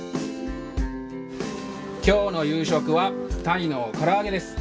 今日の夕食は鯛のから揚げです。